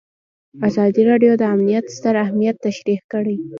ازادي راډیو د امنیت ستر اهميت تشریح کړی.